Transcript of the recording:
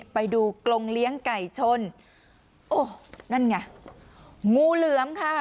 ไปดูกรงเลี้ยงไก่ชนโอ้นั่นไงงูเหลือมค่ะ